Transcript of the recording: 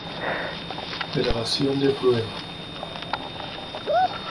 Mynheer Bowelt, deputy.